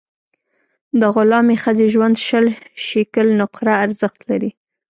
د غلامي ښځې ژوند شل شِکِل نقره ارزښت لري.